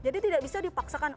jadi tidak bisa dipaksakan